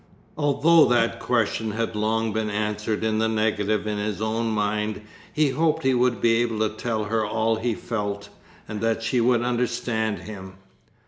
Although that question had long been answered in the negative in his own mind, he hoped he would be able to tell her all he felt, and that she would understand him.